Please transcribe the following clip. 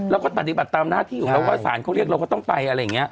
ปฏิบัติตามหน้าที่อยู่แล้วว่าสารเขาเรียกเราก็ต้องไปอะไรอย่างนี้